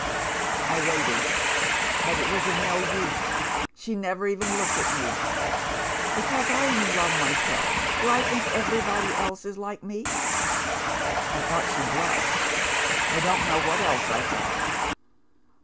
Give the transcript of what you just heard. I waited; but it was of no use she never even looked at me. Because I am in love myself, do I think everybody else is like me? I thought she blushed. I don't know what else I thought.